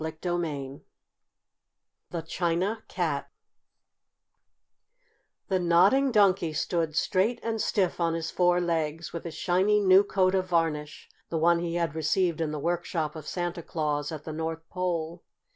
CHAPTER IV THE CHINA CAT The Nodding Donkey stood straight and stiff on his four legs, with his shiny, new coat of varnish the one he had received in the workshop of Santa Claus at the North Pole.